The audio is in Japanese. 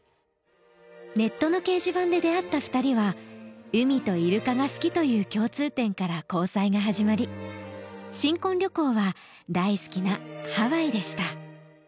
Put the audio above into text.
ネットの掲示板で出会った２人は海とイルカが好きという共通点から交際が始まり新婚旅行は大好きなハワイでした。